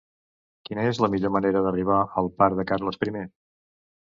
Quina és la millor manera d'arribar al parc de Carles I?